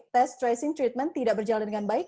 tes tracing treatment tidak berjalan dengan baik